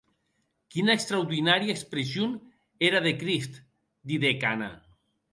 Quina extraordinària expression era de Crist!, didec Anna.